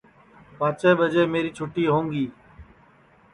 پانٚچیں ٻجے میری چھُتی ہوؤں گی